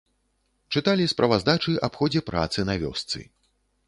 Чыталі справаздачы аб ходзе працы на вёсцы.